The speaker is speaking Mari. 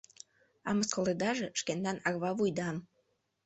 А мыскыледаже шкендан арва вуйдам.